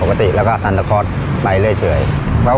ไม่ค่าทำอะไรอายเขา